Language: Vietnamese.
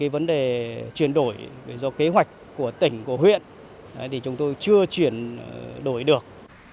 vấn đề chuyển đổi do kế hoạch của tỉnh của huyện thì chúng tôi chưa chuyển đổi được